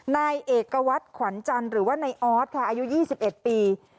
นายเอกวัดขวัญจันทร์หรือว่าในออธค่ะอายุยี่สิบเอ็ดปี